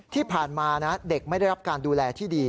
ที่ผ่านมานะเด็กไม่ได้รับการดูแลที่ดี